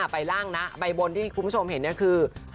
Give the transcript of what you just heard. ใบล่างนะใบบนที่คุณผู้ชมเห็นเนี่ยคือ